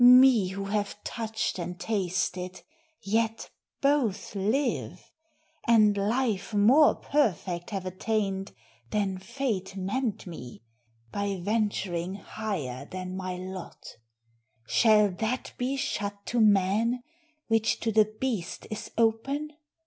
Me, who have touched and tasted; yet both live, And life more perfect have attained than Fate Meant me, by venturing higher than my lot. Shall that be shut to man, which to the beast Is open?